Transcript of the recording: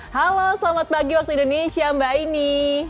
halo selamat pagi waktu indonesia mbak aini